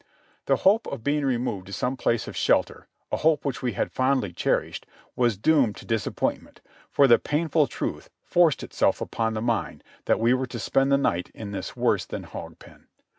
The hope of being removed to some place of shelter, a hope which we had fondly cherished, was doomed to disappoint ment, for the painful truth forced itself upon the mind that we were to spend the night in this worse than hog pen.